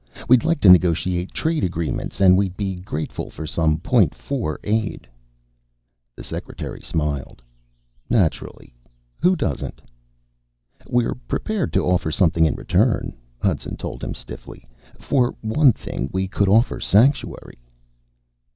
We'd like to negotiate trade agreements and we'd be grateful for some Point Four aid." The secretary smiled. "Naturally. Who doesn't?" "We're prepared to offer something in return," Hudson told him stiffly. "For one thing, we could offer sanctuary."